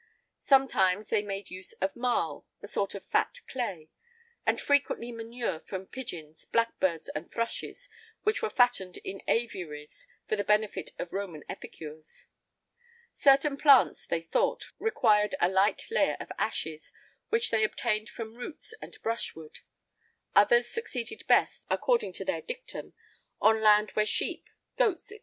Sometimes they made use of marl, a sort of fat clay;[I 35] and frequently manure from pigeons, blackbirds, and thrushes, which were fattened in aviaries[I 36] for the benefit of Roman epicures. Certain plants, they thought, required a light layer of ashes, which they obtained from roots and brushwood;[I 37] others succeeded best, according to their dictum, on land where sheep, goats, &c.